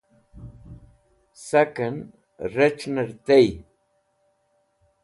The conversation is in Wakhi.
sak'en rec̃h'ner tey